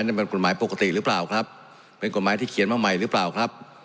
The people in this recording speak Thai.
นี่มันกฎหมายปกติหรือเปล่าครับเป็นกฎหมายที่เขียนมาใหม่หรือเปล่าครับ